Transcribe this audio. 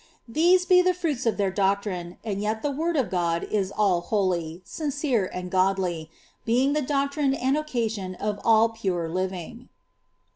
These be the fruits 'f th^'ir doctrine, and yet the word of God is all holy, sincere, and gn<Ity, hfinf the doctrme and occasion of all pure living.